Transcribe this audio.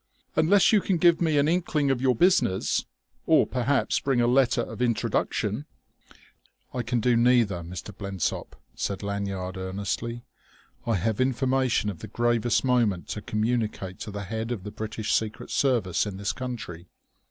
"Unless you can give me an inkling of your business or perhaps bring a letter of introduction." "I can do neither, Mr. Blensop," said Lanyard earnestly. "I have information of the gravest moment to communicate to the head of the British Secret Service in this country."